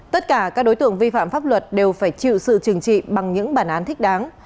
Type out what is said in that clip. tất cả các đối tượng vi phạm pháp luật đều phải chịu sự trừng trị bằng những bản án thích đáng